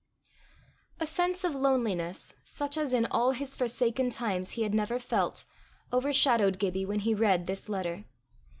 A sense of loneliness, such as in all his forsaken times he had never felt, overshadowed Gibbie when he read this letter.